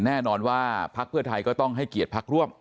แน่นอนว่าพักเพื่อไทยก็ต้องให้เกียรติพักร่วม